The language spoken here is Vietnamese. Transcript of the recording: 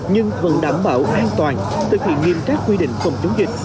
nhưng vẫn đảm bảo an toàn thực hiện nghiêm các quy định phòng chống dịch